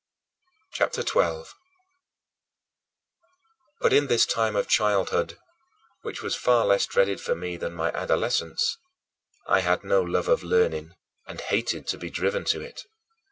CHAPTER XII 19. But in this time of childhood which was far less dreaded for me than my adolescence I had no love of learning, and hated to be driven to it.